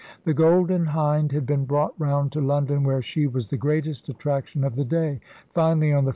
The Golden Hind had been brought round to London, where she was the greatest attraction 148 ELIZABETHAN SEA DOGS of the day.